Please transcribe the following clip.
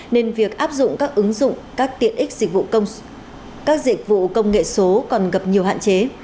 nên việc áp dụng các ứng dụng các tiện ích dịch vụ công nghệ số còn gặp nhiều hạn chế